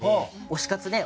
推し活ね